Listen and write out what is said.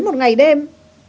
một ngày đêm